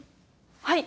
はい。